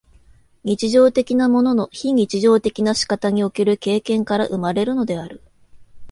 日常的なものの非日常的な仕方における経験から生まれるのである。